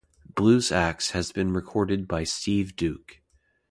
"BluesAx" has been recorded by Steve Duke.